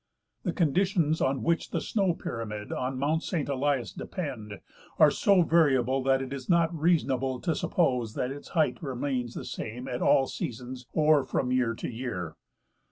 The conditions on which the snow pyramid on mount Saint Elias depend are so variable that it is not reasonable to suppose that its height remains the same at all seasons or from year to year.